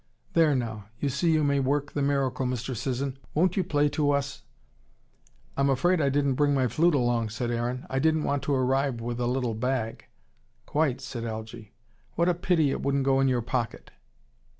"There now. You see you may work the miracle, Mr. Sisson. Won't you play to us?" "I'm afraid I didn't bring my flute along," said Aaron "I didn't want to arrive with a little bag." "Quite!" said Algy. "What a pity it wouldn't go in your pocket."